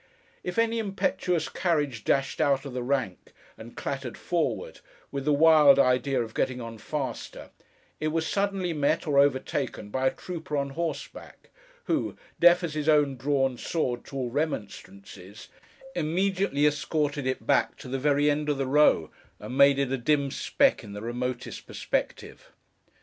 If any impetuous carriage dashed out of the rank and clattered forward, with the wild idea of getting on faster, it was suddenly met, or overtaken, by a trooper on horseback, who, deaf as his own drawn sword to all remonstrances, immediately escorted it back to the very end of the row, and made it a dim speck in the remotest perspective.